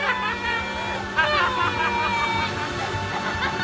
ハハハハ！